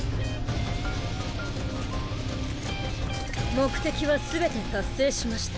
目的は全て達成しました。